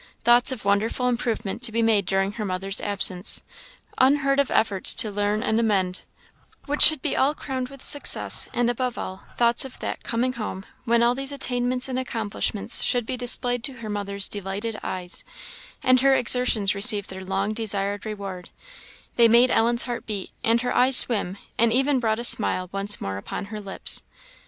Thoughts of wonderful improvement to be made during her mother's absence; of unheard of efforts to learn and amend, which should all be crowned with success; and, above all, thoughts of that "coming home," when all these attainments and accomplishments should be displayed to her mother's delighted eyes, and her exertions receive their long desired reward; they made Ellen's heart beat, and her eyes swim, and even brought a smile once more upon her lips.